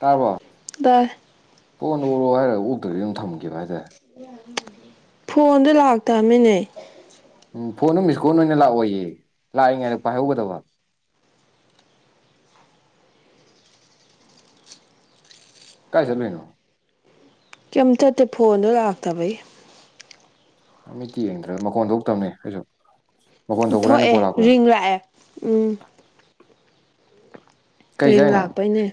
ꯇꯥꯔꯕꯣ ꯇꯥꯏ ꯐꯣꯟꯗ ꯑꯣꯔꯣ ꯍꯥꯏꯔꯒ ꯑꯣꯇ꯭ꯔꯗꯤ ꯑꯗꯨꯝ ꯊꯝꯈꯤꯕ ꯍꯥꯏꯇꯥꯔꯦ ꯐꯣꯟꯗ ꯂꯥꯛꯇꯥꯃꯤꯅꯦ ꯎꯝ ꯐꯣꯟꯗꯣ ꯃꯤꯁꯀꯣꯟ ꯑꯣꯏꯅ ꯂꯥꯛꯑꯣꯏꯌꯦ ꯂꯥꯛꯏ ꯉꯥꯏꯗ ꯄꯥꯏꯍꯧꯒꯗꯕ ꯀꯥꯏ ꯆꯠꯂꯨꯏꯅꯣ ꯀꯩꯝ ꯆꯠꯇꯦ ꯐꯣꯟꯗꯣ ꯂꯥꯛꯇꯕꯩ ꯃꯤꯠꯇ ꯌꯦꯡꯗ꯭ꯔꯒ ꯃꯀꯣꯟ ꯊꯣꯛꯇꯕꯅꯦ ꯀꯩꯁꯨ ꯊꯣꯛꯑꯦ ꯔꯤꯡ ꯂꯥꯛꯑꯦ ꯎꯝ ꯀꯩ ꯍꯌꯤꯡ ꯆꯥꯏꯅꯣ ꯂꯥꯛꯇꯧꯅꯦ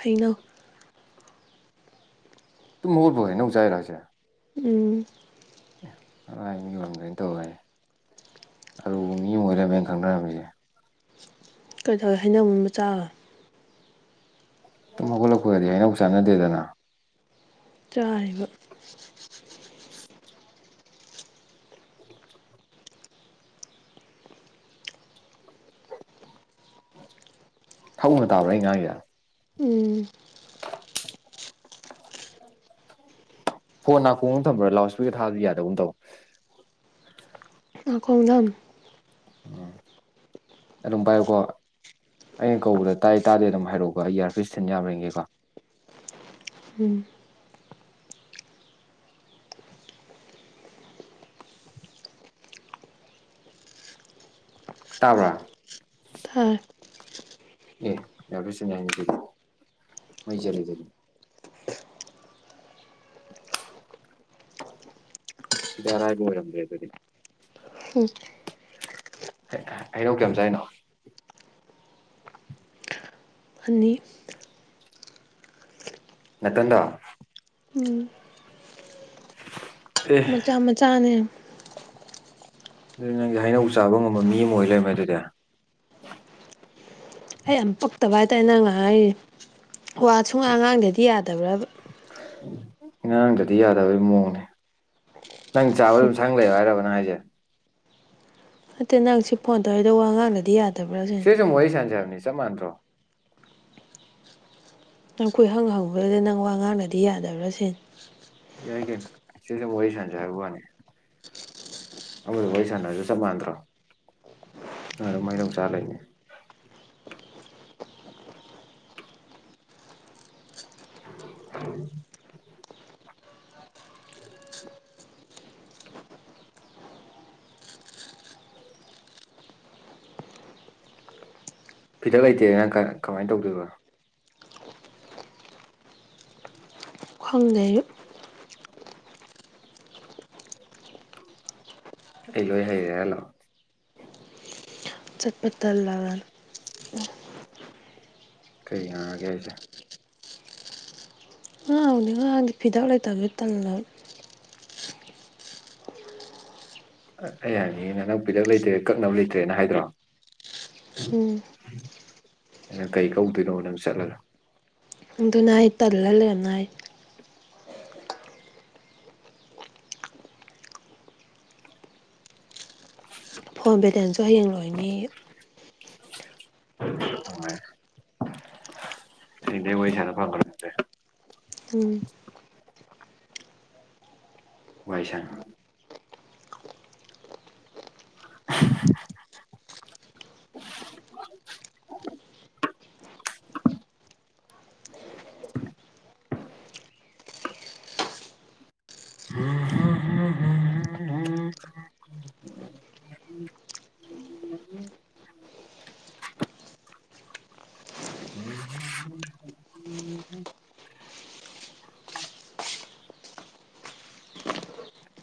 ꯍꯩꯅꯧ ꯇꯨꯝ ꯍꯣꯒꯥꯇꯄ ꯍꯧꯅꯧ ꯆꯩꯔꯥ ꯍꯥꯏꯁꯦ ꯎꯝ ꯑꯔꯥꯏ ꯃꯤ ꯑꯣꯏꯔꯝꯗꯣꯏꯅ ꯇꯧꯔ ꯑꯔꯨꯕ ꯃꯤ ꯑꯣꯏꯔꯝꯃꯦꯅ ꯈꯪꯅꯔꯝꯃꯤꯁꯦ ꯀꯩꯗꯧ ꯍꯧꯅꯧ ꯃꯨꯟꯕ ꯆꯥꯒꯥ ꯇꯨꯝ ꯍꯧꯒꯠꯂꯛꯄꯒꯗꯤ ꯍꯩꯅꯧ ꯆꯥꯟꯅꯗꯦꯗꯅ ꯆꯥꯔꯤꯕ [inaudible] ꯊꯛꯅ ꯇꯥꯕ꯭ꯔ ꯑꯩꯅ ꯉꯥꯡꯏꯁꯦ ꯎꯝ ꯐꯣꯟ ꯅꯥꯀꯣꯡꯒ ꯊꯝꯕ꯭ꯔꯥ ꯂꯥꯎ꯭ꯠꯁꯄꯤꯀꯔ ꯊꯥꯕ ꯌꯥꯗꯕꯨꯝ ꯇꯧ ꯑꯥꯛꯈꯣꯡ ꯅꯝ ꯎꯝ ꯑꯗꯨꯝ ꯄꯥꯏꯌꯨꯀꯣ ꯑꯩꯅ ꯀꯧꯕꯗ ꯇꯥ ꯇꯥꯗꯦ ꯑꯗꯨꯝ ꯍꯥꯏꯔꯛꯎꯀꯣ ꯑꯩ ꯑꯌꯥꯥꯔꯄꯁ ꯇꯅ ꯌꯥꯕꯔꯤꯌꯡꯒꯦ ꯀꯣ ꯎꯝ ꯇꯥꯕ꯭ꯔꯥ ꯍꯥꯏ ꯑꯦ ꯏꯌꯥꯔꯄꯤꯁ ꯊꯤꯟ ꯌꯥꯏꯅꯦ ꯑꯗꯨꯗꯤ ꯃꯩ ꯆꯠꯂꯨ ꯑꯗꯨꯗꯤ ꯁꯤꯗ ꯑꯔꯥꯏꯕ ꯑꯣꯏꯔꯝꯗ꯭ꯔꯦ ꯑꯗꯨꯗꯤ ꯍꯨꯝ ꯍꯩꯅꯧ ꯀꯩꯝ ꯆꯍꯥꯏꯔꯤꯅꯣ ꯑꯅꯤ ꯅꯥꯇꯟꯗ ꯎꯝ ꯑꯦ ꯃꯆꯥ ꯃꯆꯥꯅꯦ ꯑꯗꯨ ꯅꯪꯖꯦ ꯍꯩꯅꯧ ꯆꯥꯕ ꯉꯝꯕ ꯃꯤ ꯑꯃꯥ ꯑꯣꯏ ꯂꯩꯔꯝꯃꯦ ꯑꯗꯨꯗꯤ ꯑꯩ ꯌꯥꯝ ꯄꯛꯇꯕ ꯍꯥꯏꯇꯥꯔꯦ ꯅꯪ ꯉꯥꯡꯉꯛꯏꯖꯦ ꯋꯥ ꯁꯨꯡꯉꯥꯡ ꯉꯥꯡꯗꯗꯤ ꯌꯥꯗꯕ꯭ꯔꯥꯕ ꯉꯉꯥꯡꯗꯗꯤ ꯌꯥꯗꯕꯒꯤ ꯃꯑꯣꯡꯅꯦ ꯅꯪ ꯆꯥꯕꯗꯣ ꯑꯗꯨꯝ ꯁꯪ ꯂꯩꯌꯣ ꯍꯥꯏꯔꯕ ꯅꯪ ꯍꯥꯏꯖꯦ ꯅꯠꯇꯦ ꯅꯪ ꯁꯤ ꯐꯣꯟ ꯇꯧꯔꯔꯤꯏꯗ ꯋꯥ ꯉꯥꯡꯂꯗꯤ ꯌꯥꯗꯕ꯭ꯔꯥ ꯁꯤꯅꯦ ꯁꯤꯗ ꯋꯥꯔꯤ ꯁꯥꯥꯟꯦꯁꯤ ꯍꯥꯏꯅꯤ ꯆꯄ ꯃꯥꯥꯟ꯭ꯗꯔꯣ ꯅꯪꯈꯣꯏ ꯍꯪ - ꯍꯪ ꯕꯗꯗꯤ ꯅꯪ ꯋꯥ ꯉꯥꯡꯂꯗꯤ ꯌꯥꯗꯕ꯭ꯔꯥ ꯁꯤꯅꯦ ꯌꯥꯏ ꯀꯧꯅꯦ ꯁꯤꯁꯨꯝ ꯋꯥꯔꯤ ꯁꯥꯟꯖ ꯍꯥꯏꯕ ꯋꯥꯅꯤ ꯑꯃꯗꯨ ꯋꯥꯔꯤ ꯁꯥꯟꯅꯁꯨ ꯆꯞ ꯃꯥꯟꯗ꯭ꯔꯣ ꯅꯪ ꯑꯗꯨꯝ ꯍꯩꯅꯧ ꯆꯥ ꯂꯩꯅꯤ [inaudible] ꯐꯤꯗꯛ ꯂꯩꯇꯦ ꯅꯪ ꯀ ꯀꯃꯥꯏ ꯇꯧꯗꯣꯏꯕ ꯈꯪꯗꯦ ꯑꯩꯁꯨ ꯑꯩ ꯂꯣꯏ ꯍꯩꯔꯦ ꯍꯥꯏ ꯂꯛꯑꫭ ꯆꯠꯄ ꯇꯜꯂꯕꯅ ꯀꯩ ꯉꯥꯡꯉꯒꯦ ꯍꯥꯏꯁꯦ ꯉꯥꯡꯕꯨꯗꯤ ꯉꯥꯡꯗꯦ ꯐꯤꯗꯛ ꯂꯩꯇꯕꯗꯨꯗ ꯇꯜꯂꯕ ꯑꯩ ꯍꯥꯏꯅꯤꯡꯉꯤꯅ ꯅꯪ ꯐꯤꯗꯛ ꯂꯩꯇ꯭ꯔꯦ ꯀꯛꯅꯕ ꯂꯩꯇ꯭ꯔꯦꯅ ꯍꯥꯏꯗ꯭ꯔꯣ ꯎꯝ ꯅꯪ ꯀꯩ ꯀꯛꯎꯗꯨꯏꯅꯣꯕ ꯅꯪ ꯆꯠꯂꯒ ꯑꯗꯨꯅꯥꯏ ꯑꯩ ꯇꯜꯂ ꯂꯩꯔꯝꯅꯥꯏ ꯐꯣꯟ ꯄꯦꯂꯦꯟꯁꯨ ꯍꯌꯦꯡ ꯂꯣꯏꯅꯤ [inaudible] ꯅꯨꯡꯉꯥꯏ ꯍꯌꯦꯡꯗꯩꯩ ꯋꯥꯔꯤ ꯁꯥꯅꯕꯥ ꯐꯪꯉꯔꯣꯏ ꯎꯝ ꯋꯥꯏ ꯁꯥꯡ [inaudible] [inaudible] [inaudible] [inaudible] [inaudible] [inaudible]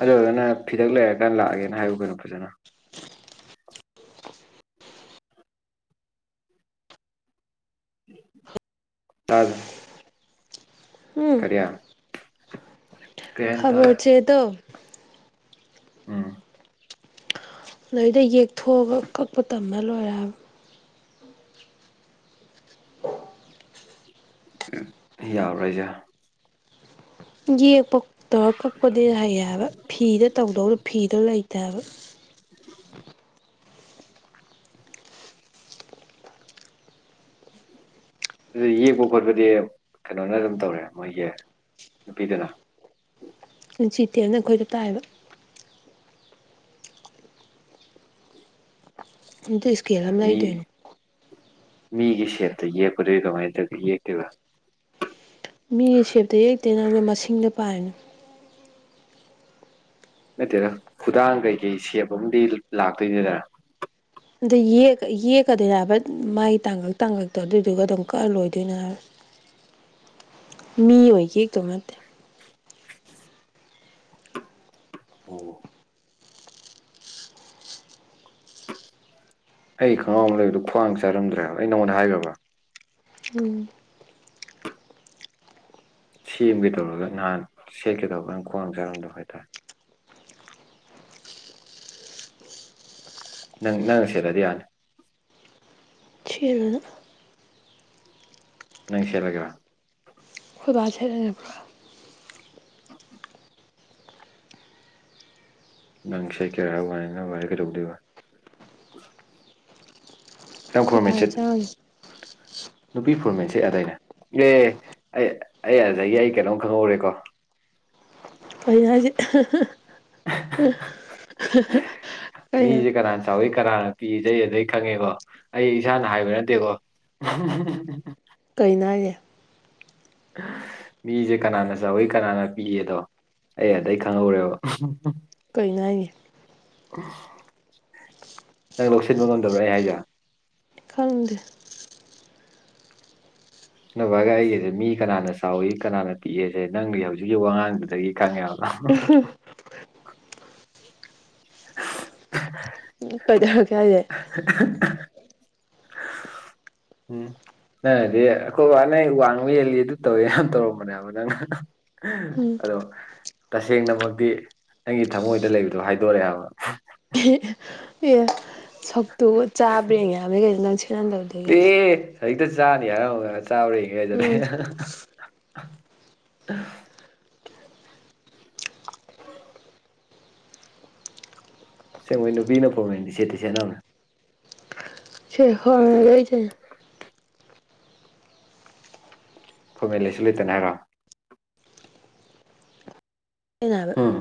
ꯑꯗꯨ ꯑꯣꯏꯔꯒꯅ ꯐꯤꯗꯛ ꯂꯩꯔꯀꯥꯟꯗ ꯂꯥꯛꯑꯒꯦꯅ ꯍꯥꯏꯌꯨ ꯀꯩꯅꯣ ꯐꯖꯅ ꯇꯥꯗ ꯎꯝ ꯀꯔꯤ ꯀꯩ ꯍꯥꯏꯅꯣ ꯈꯕꯔ ꯇꯥꯔꯦ ꯆꯦꯗꯣ ꯎꯝ ꯑꯗꯨꯗꯩ ꯌꯦꯛꯊꯣꯛꯑꯒ ꯀꯛꯄ ꯇꯝꯃ ꯂꯣꯏꯔꯦ ꯍꯥꯏꯕ ꯌꯥꯕꯔꯥ ꯍꯥꯏꯖ‌ꯦ ꯌꯦꯛꯄ ꯇꯧꯔ ꯀꯛꯄꯗꯤ ꯍꯩꯌꯦꯕ ꯐꯤꯗ ꯇꯧꯗꯧꯗꯣ ꯐꯤꯗꯣ ꯂꯩꯇꯦꯕ [inaudible] ꯑꯗꯨ ꯌꯦꯛꯄ ꯈꯣꯠꯄꯗꯤ ꯀꯩꯅꯣꯅ ꯑꯗꯨꯝ ꯇꯧꯔꯦ ꯃꯣꯏꯒꯤ ꯅꯨꯄꯤꯗꯨꯅ ꯏꯟꯆꯦ ꯇꯥꯞꯅ ꯑꯩꯈꯣꯏꯗ ꯇꯥꯛꯏꯕ ꯑꯗꯨ ꯑꫭꯏꯁꯨ ꯃꯤ ꯃꯤꯒꯤ ꯁꯦꯞꯇ ꯌꯦꯛꯄꯗꯤ ꯀꯃꯥꯏꯅ ꯇꯧꯒꯦ ꯌꯦꯛꯇꯨꯏꯕ ꯃꯤ ꯁꯦꯞꯇ ꯌꯦꯛꯇꯦ ꯅꯪꯖꯨ ꯃꯁꯤꯡꯗ ꯄꯥꯏꯅꯤ ꯅꯠꯇꯦꯗ ꯈꯨꯗꯥꯡ ꯀꯩꯀꯩ ꯁꯦꯞ ꯑꯃꯗꯤ ꯂꯥꯛꯇꯣꯏꯅꯦꯗꯅ ꯑꯗꯥ ꯌꯦꯛꯀ ꯌꯦꯛꯀꯗꯣꯏꯅꯦ ꯍꯥꯏꯕ ꯃꯥꯒꯤ ꯇꯥꯡꯀꯛ ꯇꯥꯡꯀꯛꯇꯣ ꯑꯗꯨꯏꯗꯨꯒ ꯑꯗꯨꯝ ꯀꯛꯑ ꯂꯣꯏꯗꯣꯅꯦ ꯍꯥꯏꯕ [inaudible] ꯃꯤ ꯑꯣꯏ ꯌꯦꯛꯇꯧ ꯅꯠꯇꯦ ꯑꯣ ꯑꯩ ꯈꯪꯉꯥꯎ ꯑꯃ ꯂꯩꯕꯗꯨ ꯈ꯭ꯋꯥꯡ ꯆꯔꯝꯗ꯭ꯔꯦꯕ ꯑꯩ ꯅꯉꯣꯟꯗ ꯍꯥꯏꯈ꯭ꯔꯥꯕ ꯎꯝ ꯁꯦꯝꯒꯦ ꯇꯧꯔꯒ ꯅꯍꯥꯟ ꯁꯦꯠꯀꯦ ꯇꯧꯕꯀꯟ ꯈ꯭ꯋꯥꯡ ꯆꯥꯔꯝꯗꯕ ꯍꯥꯏꯇꯥꯔꯦ ꯅꯪ ꯅꯪ ꯁꯦꯠꯂꯗꯤ ꯌꯥꯅꯤ ꯆꯦꯠꯂꯨꯅꯨ ꯅꯪ ꯁꯦꯠꯂꯥꯒꯦꯔꯥ ꯑꯈꯣꯏ ꯕꯥ ꯁꯦꯠꯂꯅꯤ ꯍꯥꯕ꯭ꯔ‌ꯣ ꯅꯪ ꯁꯦꯠꯀꯦꯔꯥ ꯍꯥꯏꯕꯥ ꯋꯥꯅꯤ ꯅꯣꯏ ꯕꯥꯗꯤ ꯀꯩꯗꯧꯗꯣꯏꯕ ꯅꯪ ꯑꯩꯈꯣꯏ ꯐꯣꯔꯃꯦꯟ ꯕꯥꯅ ꯁꯦꯠ ꯆꯪꯉꯅꯤ ꯅꯨꯄꯤ ꯐꯣꯔꯃꯦꯟ ꯁꯦꯠ ꯌꯥꯗꯥꯏꯅꯦ ꯑꯦ ꯑꯩ ꯑꯩ ꯑꯥꯗꯒꯤ ꯑꯩ ꯀꯩꯅꯣꯝ ꯈꯪꯍꯧꯔꯦꯀꯣ ꯀꯩꯅꯣ ꯍꯥꯏꯁꯤ ꯑꯍꯥ ꯍꯥ ꯀꯩꯅꯣ ꯆꯥꯎꯋꯤ ꯀꯅꯥꯅ ꯄꯤꯛꯏꯖꯩ ꯑꯩ ꯑꯗꯩ ꯈꯪꯉꯦꯀꯣ ꯑꯩ ꯏꯁꯥꯅ ꯍꯥꯏꯕ ꯅꯠꯇꯦꯀꯣ ꯎꯨꯍ ꯍꯥ ꯍꯥ ꯀꯩꯅꯣ ꯍꯥꯏꯖꯦ ꯃꯤꯁꯦ ꯀꯅꯥꯅ ꯆꯥꯎꯋꯤ ꯀꯅꯥꯅ ꯄꯤꯛꯑꯦꯗꯣ ꯑꯩ ꯑꯗꯩ ꯈꯪꯍꯧꯔꯦꯕ ꯎꯨꯍꯨ ꯍꯨ ꯀꯩꯅꯣ ꯍꯥꯏꯖꯤ ꯅꯪ ꯂꯧꯁꯤꯟꯕ ꯉꯝꯗꯕ꯭ꯔꯥ ꯑꯩ ꯍꯥꯏꯖꯦ ꯈꯪꯗꯦ ꯅꯣꯏ ꯕꯥꯒ ꯑꯩꯒꯤꯁꯦ ꯃꯤ ꯀꯅꯥꯅ ꯆꯥꯎꯏ ꯀꯅꯥꯅ ꯄꯤꯛꯏꯦꯁꯦ ꯅꯪꯒꯤ ꯍꯧꯖꯤꯛꯀꯤ ꯋꯥꯉꯥꯡꯗꯨꯗꯒꯤ [unintelligible] [inaudible] ꯀꯩꯗꯧꯔꯒꯦ ꯍꯥꯏꯁꯦ ꯍꯥ ꯑꯍꯥ ꯍꯥ ꯍꯥ ꯎꯝ ꯅꯪꯅꯗꯤ ꯑꯩꯈꯣꯏ ꯕꯥꯅ ꯋꯥꯡꯕ ꯍꯦꯜꯂꯤ ꯑꯗꯨ ꯇꯧꯋꯦ ꯌꯥꯝ ꯇꯧꯔꯝꯕꯅꯦꯕ ꯅꯪꯅ ꯑꯍꯥ ꯍ ꯍꯥ ꯎꯝ ꯑꯗꯣ ꯇꯁꯦꯡꯅꯃꯛꯇꯤ ꯅꯪꯒꯤ ꯊꯃꯣꯏꯗ ꯂꯩꯕꯗꯣ ꯍꯥꯏꯗꯣꯔꯛꯑꯦꯕ ꯑꯦꯍ ꯑꯦ ꯁꯛꯇꯨꯒ ꯆꯥꯕ꯭ꯔ ꯌꯦꯡꯒꯦ ꯍꯥꯏꯕꯅꯦ ꯀꯩꯩꯅꯣ ꯅꯪ ꯁꯦꯠꯍꯟꯗꯕꯗꯨꯒꯤ ꯍꯖꯤꯛꯇ ꯆꯥꯅꯤ ꯍꯥꯏꯔꯝꯃꯒ ꯆꯥꯕꯔꯡꯉꯦ ꯍꯥꯖꯤꯜꯂꯦ ꯎꯝ ꯑꯍꯥ ꯍ ꯍꯥ [inaudible] ꯑꯁꯦꯡꯕꯩ ꯅꯨꯄꯤꯅ ꯐꯣꯔꯃꯦꯟꯗꯤ ꯁꯦꯠꯇꯤ ꯁꯦꯠꯅꯕꯅꯦ ꯁꯦ ꯍꯣꯏ [unintelligible] ꯐꯣꯔꯃꯦꯟ ꯂꯩꯥꯏꯁꯨ ꯂꯩꯇꯅ ꯍꯥꯏꯔꯣ ꯑꯩꯅ ꯍꯥꯏꯕ ꯍꯨꯝ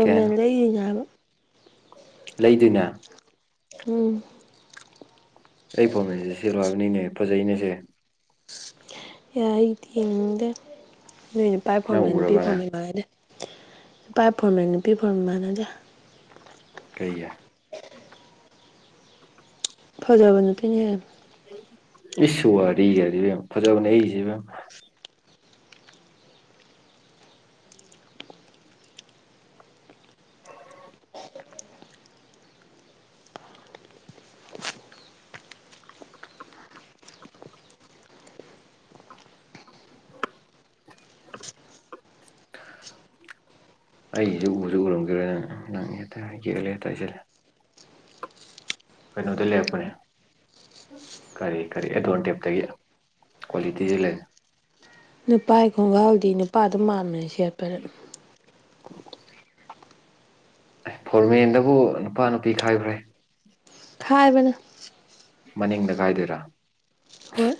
ꯀꯩ ꯍꯥꯏꯅꯣ ꯂꯩꯔꯤꯅꯦ ꯍꯥꯏꯕ ꯂꯩꯗꯨꯏꯅꯦ ꯎꯝ ꯑꯩ ꯐꯣꯔꯃꯦꯟꯁꯦ ꯁꯦꯠꯂꯣ ꯍꯥꯏꯕꯅꯤꯅꯦ ꯐꯖꯩꯅꯦꯁꯦ ꯌꯥꯏ ꯑꯩꯗꯤ ꯊꯦꯡꯅꯤꯡꯗꯦ ꯅꯣꯏ ꯅꯨꯄꯥ ꯅꯪ ꯐꯪꯔꯃꯦꯟ ꯅꯨꯄꯤ ꯎꯔꯕꯅꯦ ꯐꯣꯔꯃꯦꯟ ꯃꯥꯟꯅꯗꯦ ꯄꯥꯏ ꯐꯣꯔꯃꯦꯟ ꯅꯨꯄꯤ ꯐꯣꯔꯃꯦꯟ ꯃꯥꯥꯟꯅꯗꯦ ꯀꯩꯒꯤ ꯐꯖꯕ ꯅꯨꯄꯤꯅ ꯍꯦꯜꯂꯤ ꯏꯁꯨ ꯋꯥꯔꯤꯒꯗꯤ ꯏꯕꯦꯝꯃ ꯐꯖꯥꯕꯅꯦ ꯑꯩꯒꯤꯁꯦ ꯏꯕꯦꯝ [inaudible] ꯑꯩꯒꯤꯁꯦ ꯎꯁꯨ ꯎꯔꯝꯈꯤꯔꯣꯏ ꯅꯪꯅ ꯅꯪ ꯍꯦꯛꯇ [unintelligible] ꯍꯦꯛꯇ ꯍꯥꯏꯖꯤꯜꯂꯦ ꯀꯩꯅꯣꯗꯩ ꯂꯩꯔꯛꯄꯅꯦ ꯀꯔꯤ ꯀꯔꯤ ꯑꯦꯗꯣꯟꯇꯦꯞꯇꯒꯤ ꯀ꯭ꯋꯥꯂꯤꯇꯤꯁꯤ ꯂꯩ ꯅꯨꯄꯥꯒꯤ ꯈꯣꯡꯒꯥꯎꯗꯤ ꯅꯨꯄꯥ ꯑꯗꯨꯝ ꯃꯥꯟꯕꯅꯤ ꯁꯦꯠꯄꯗ ꯑꯦ ꯐꯣꯔꯃꯦꯟꯗꯕꯨ ꯅꯨꯄꯥ ꯅꯨꯄꯤ ꯈꯥꯏꯕ꯭ꯔꯍꯦ ꯍꯥꯏꯕꯅꯦ꯫ ꯃꯅꯤꯡꯗ ꯀꯥꯏꯗꯣꯏꯔꯥ? ꯍꯣꯏ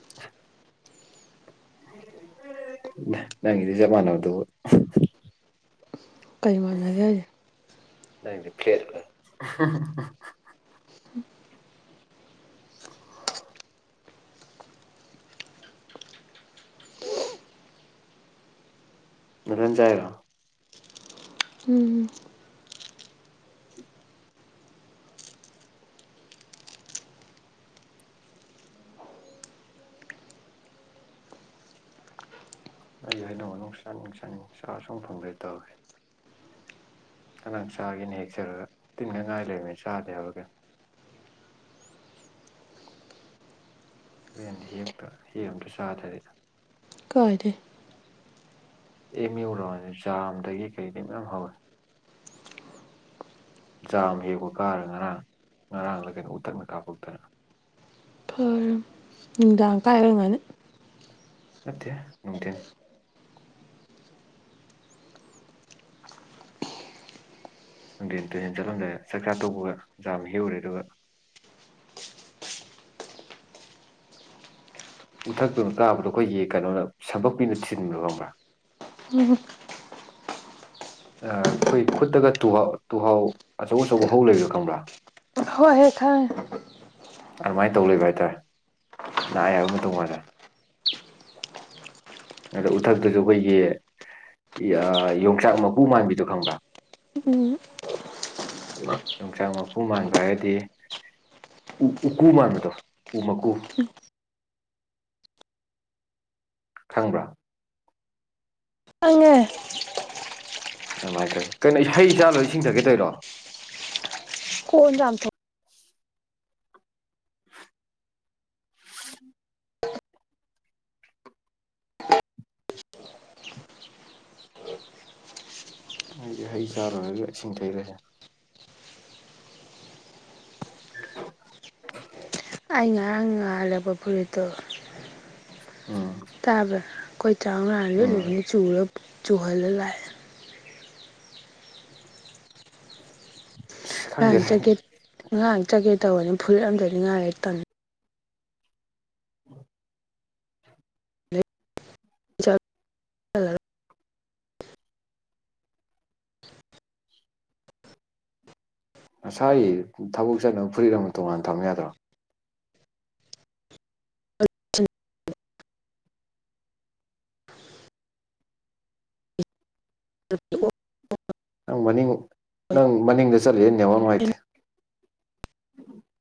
ꯅꯪꯒꯤꯗꯤ ꯆꯞ ꯃꯅꯕꯗꯨꯕꯨ꯫ ꯀꯩ ꯃꯥꯟꯅꯒꯦ ꯍꯥꯏꯁꯦ? ꯅꯪꯒꯤꯗꯤ ꯐꯦꯂꯦꯠ [unintelligible] ꯅꯊꯟ ꯆꯥꯏꯔꯣ? ꯎꯝ ꯑꯩ ꯑꯩꯅ ꯆꯥꯅꯤꯡ ꯆꯥꯅꯤꯡ ꯆꯥ ꯁꯨꯝ ꯐꯪꯗ꯭ꯔꯦ ꯇꯧꯔꯤꯁꯦ꯫ ꯑꯉꯥꯡ ꯆꯥꯒꯦꯅ ꯍꯦꯛꯆꯔꯒ ꯇꯤꯟꯉꯥꯛ ꯉꯥꯏ ꯂꯩꯔꯝꯃꯤ ꯆꯥꯗꯦ ꯍꯥꯏꯕꯔ ꯀꯩꯅꯣ꯫ ꯍꯣꯔꯦꯟ ꯍꯦꯛꯇ ꯍꯦꯛ ꯑꯃꯇ ꯆꯥꯇꯔꯦ꯫ ꯀꯥꯏꯗꯦ꯫ ꯑꯦꯝ ꯌꯨ ꯔꯎꯟꯁꯦ ꯖꯥꯞꯗꯒꯤ ꯀꯩꯗꯒꯤ ꯃꯌꯥꯝ ꯍꯧꯋꯦ꯫ ꯖꯥꯝ ꯍꯦꯛꯕ ꯀꯥꯔꯒ ꯉꯔꯥꯡ ꯉꯔꯥꯡꯂ ꯀꯩꯅꯣ ꯎꯊꯛꯅ ꯀꯥꯞꯄꯛꯇꯅ꯫ ꯐꯔꯝ꯫ ꯅꯨꯡꯗꯥꯡ ꯀꯥꯏ ꯑꯣꯏꯔꯝꯒꯅꯤ꯫ ꯅꯠꯇꯦ ꯅꯨꯡꯊꯤꯟ꯫ ꯅꯨꯡꯗꯤꯟ ꯇꯨꯔꯦꯟ ꯆꯠꯂꯝꯗꯥꯏꯗ ꯆꯥꯛ ꯆꯥ ꯇꯣꯛꯄꯒ ꯖꯥꯝ ꯍꯦꯎꯔꯦ ꯑꯗꯨꯒ, ꯎꯊꯛꯇꯨꯅ ꯀꯥꯞꯄꯗꯣ, ꯑꯩꯈꯣꯏꯒꯤ ꯀꯩꯅꯣꯅ ꯁꯝꯄꯛꯄꯤꯅ ꯊꯤꯟꯕꯗꯣ ꯈꯪꯕ꯭ꯔꯥ? ꯎꯝ ꯑꯥ ꯈꯣꯏ ꯈꯨꯠꯇꯒ ꯇꯨꯍꯥꯎ ꯇꯨꯍꯥꯎ ꯑꯆꯧ ꯑꯆꯧꯕ ꯍꯧ ꯂꯩꯕꯖꯦ ꯈꯪꯕ꯭ꯔꯥ? ꯍꯣꯏ ꯍꯦ ꯈꯪꯉꯦ꯫ ꯑꯗꯨꯃꯥꯏꯅ ꯇꯧ ꯂꯩꯕ ꯍꯥꯏꯇꯥꯔꯦ ꯅꯥꯏꯑꯦ ꯍꯥꯏꯕ ꯃꯇꯩ ꯃꯥꯟꯗꯅ꯫ ꯑꯗ ꯎꯊꯛꯇꯨꯁꯨ ꯑꯩꯈꯣꯏꯒꯤ ꯌꯣꯡꯆꯥꯛ ꯃꯀꯨ ꯃꯥꯟꯕꯤꯗꯣ ꯈꯪꯕ꯭ꯔꯥ? ꯎꯝ ꯌꯣꯡꯆꯥꯛ ꯃꯀꯨ ꯃꯥꯟꯕ ꯍꯥꯏꯔꯗꯤ ꯎ ꯎꯀꯨ ꯃꯥꯟꯕꯗꯣ ꯎ ꯃꯀꯨ꯫ ꯈꯪꯕ꯭ꯔꯥ? ꯈꯪꯉꯦ꯫ ꯑꯗꯨꯃꯥꯏꯅ ꯇꯧꯋꯦ ꯀꯩꯅꯣ ꯍꯩ ꯆꯥ ꯂꯣꯏꯔ ꯏꯁꯤꯡꯊꯛꯀꯦ ꯇꯧꯏꯔꯣ? ꯀꯣꯟ ꯆꯥꯝꯊꯣꯛ [inaudible] ꯑꯩꯗꯤ ꯍꯩ ꯆꯥ ꯂꯣꯏꯔꯒ ꯏꯁꯤꯡꯊꯛꯏꯔ ꯁꯤꯅꯦ꯫ [unintelligible] ꯑꯩ ꯉꯔꯥꯡ ꯉꯥꯍꯜ ꯂꯩꯔꯛꯄ ꯐꯨꯔꯤꯠꯇꯣ, ꯑꯥ ꯇꯥꯕ꯭ꯔꯥ? ꯈꯣꯏ [unintelligible] ꯂꯤꯠꯂꯨꯔ ꯆꯨꯔ ꯆꯨꯍꯜꯂ ꯂꯥꯛꯑꯦ꯫ [inaudible] ꯑꯁ ꯉꯔꯥꯡ ꯈꯪꯗꯦꯗ ꯆꯠꯀꯦ ꯉꯔꯥꯡ ꯆꯠꯀꯦ ꯇꯧꯕꯅꯤ ꯐꯨꯔꯤꯠ ꯑꯝꯇ ꯂꯤꯅꯤꯉꯥꯏ ꯇꯟ ꯆꯠꯂꯔꯣꯏ ꯅꯁꯥꯒꯤ ꯊꯕꯛ ꯆꯠꯅꯕ ꯐꯨꯔꯤꯠ ꯑꯃ ꯇꯣꯡꯉꯥꯟꯅ ꯊꯝ ꯌꯥꯗ꯭ꯔꯣ? [unintelligible] ꯅꯪ ꯃꯅꯤꯡ ꯅꯪ ꯃꯅꯤꯡꯗ ꯆꯠꯂꯦ ꯅꯦꯋꯥꯛ ꯅꯨꯡꯉꯥꯏꯇꯦ꯫ [inaudible]